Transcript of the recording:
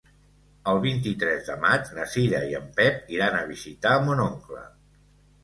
El vint-i-tres de maig na Cira i en Pep iran a visitar mon oncle.